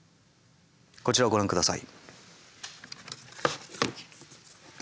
こちらをご覧下さい。